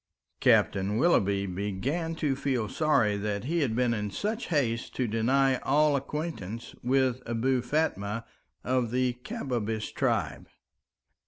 Captain Willoughby began to feel sorry that he had been in such haste to deny all acquaintance with Abou Fatma of the Kabbabish tribe.